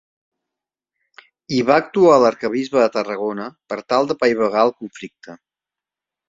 Hi va actuar l'arquebisbe de Tarragona, per tal d'apaivagar el conflicte.